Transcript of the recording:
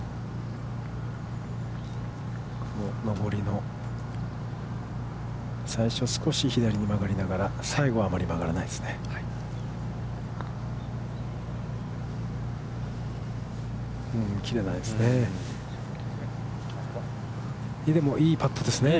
上り、最初は少し左に曲がりながら、最後はあまり曲がらないですね。